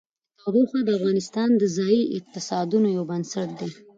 تودوخه د افغانستان د ځایي اقتصادونو یو بنسټ دی.